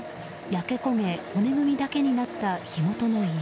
焼け焦げ、骨組みだけになった火元の家。